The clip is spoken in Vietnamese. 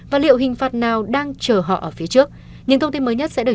và liệu hình phạt nào đang chờ họ ở phía trước